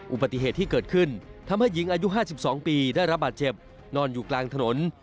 อุบัติเหตุที่เกิดขึ้นทำให้หญิงอายุ๕๒ปีได้รับบาดเจ็บนอนอยู่กลางถนน